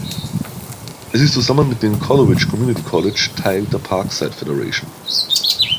Es ist zusammen mit dem Coleridge Community College Teil der Parkside Federation.